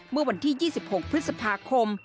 เมื่อวันที่๒๖พฤษภาคม